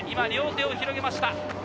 両手を広げました。